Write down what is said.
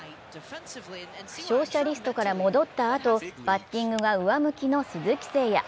負傷者リストから戻ったあと、バッティングが上向きの鈴木誠也。